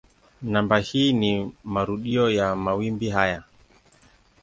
Namba hii ni marudio ya mawimbi haya.